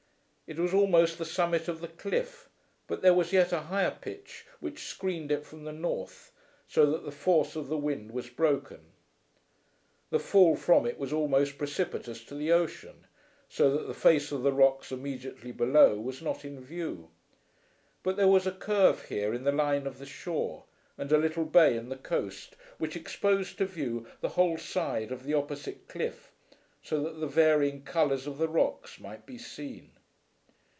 It was almost the summit of the cliff, but there was yet a higher pitch which screened it from the north, so that the force of the wind was broken. The fall from it was almost precipitous to the ocean, so that the face of the rocks immediately below was not in view; but there was a curve here in the line of the shore, and a little bay in the coast, which exposed to view the whole side of the opposite cliff, so that the varying colours of the rocks might be seen.